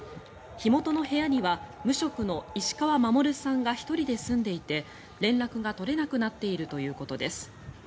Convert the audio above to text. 火元の部屋には無職の石川守さんが１人で住んでいて連絡が取れなくなっているということです。